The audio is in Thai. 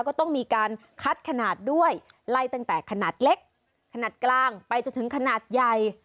ก็ต้องมีการคัดขนาดด้วยไล่ตั้งแต่ขนาดเล็กขนาดกลางไปจนถึงขนาดใหญ่